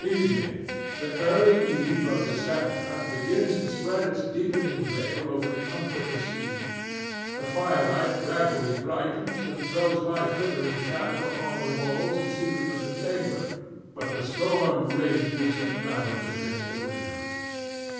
Evening—the early eve of December—begins to spread its deepening veil over the comfortless scene. The firelight gradually brightens and throws my flickering shadow upon the walls and ceiling of the chamber, but still the storm rages and rattles against the windows.